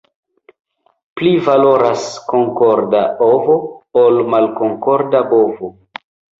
Pli valoras konkorda ovo, ol malkonkorda bovo.